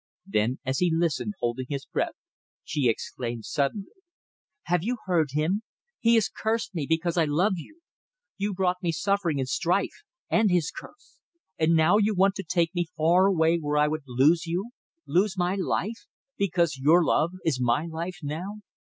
Then, as he listened holding his breath, she exclaimed suddenly "Have you heard him? He has cursed me because I love you. You brought me suffering and strife and his curse. And now you want to take me far away where I would lose you, lose my life; because your love is my life now.